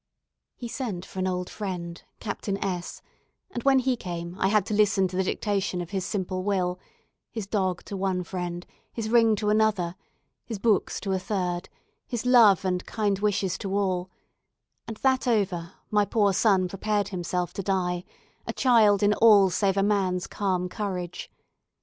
He sent for an old friend, Captain S ; and when he came, I had to listen to the dictation of his simple will his dog to one friend, his ring to another, his books to a third, his love and kind wishes to all; and that over, my poor son prepared himself to die a child in all save a man's calm courage.